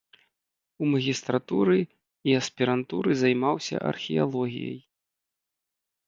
У магістратуры і аспірантуры займаўся археалогіяй.